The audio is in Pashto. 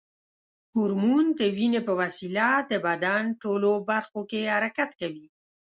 هورمون د وینې په وسیله د بدن ټولو برخو کې حرکت کوي.